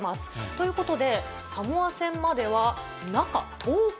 ということで、サモア戦までは、中１０日。